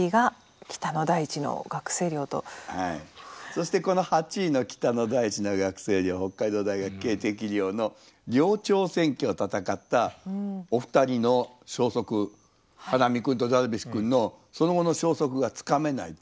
そしてこの８位の「北の大地の学生寮」北海道大学恵迪寮の寮長選挙を戦ったお二人の消息ハラミ君とダルビッシュ君のその後の消息がつかめない。